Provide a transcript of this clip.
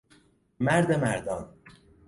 مرد مردان